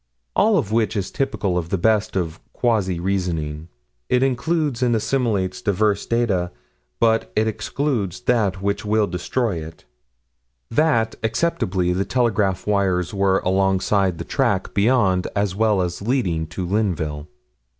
All of which is typical of the best of quasi reasoning. It includes and assimilates diverse data: but it excludes that which will destroy it: That, acceptably, the telegraph wires were alongside the track beyond, as well as leading to Linville.